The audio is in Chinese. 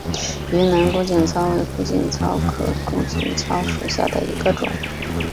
云南谷精草为谷精草科谷精草属下的一个种。